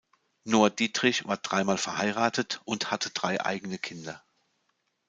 Noah Dietrich war dreimal verheiratet und hatte drei eigene Kinder.